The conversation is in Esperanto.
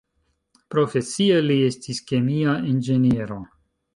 Profesie, li estis kemia inĝeniero.